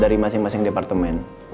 dari masing masing departemen